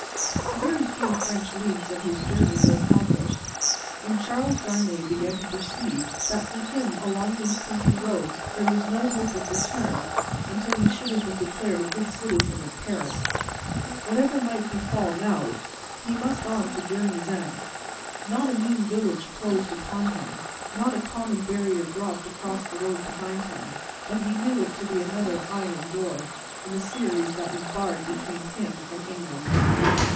A very few French leagues of his journey were accomplished, when Charles Darnay began to perceive that for him along these country roads there was no hope of return until he should have been declared a good citizen at Paris. Whatever might befall now, he must on to his journey's end. Not a mean village closed upon him, not a common barrier dropped across the road behind him, but he knew it to be another iron door in the series that was barred between him and England.